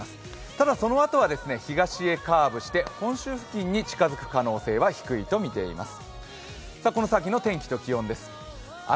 ただそのあとは東へカーブして、本州付近に近づく可能性は低いとみています。